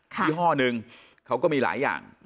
ยี่ห้อนึงเขาก็มีหลายอย่าง